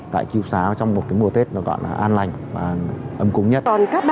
tại cứu xá trong một mùa tết gọi là an lành và âm cung nhất